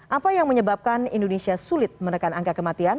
apa yang menyebabkan indonesia sulit menekan angka kematian